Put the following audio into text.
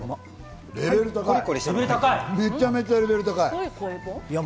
めちゃめちゃレベル高い。